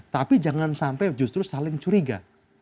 tapi jangan sampai justru saling curiga